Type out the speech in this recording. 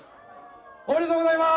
おめでとうございまーす！